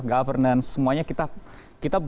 governance semuanya kita